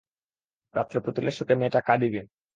রাত্রে পুতুলের শোকে মেয়েটা কাদিবে।